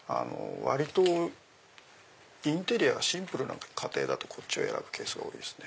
割とインテリアがシンプルな家庭だとこっちを選ぶケースが多いですね。